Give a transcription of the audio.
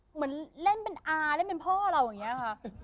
เหมือนเล่นเป็นอาเล่นเป็นพ่อเราอย่างนี้ค่ะ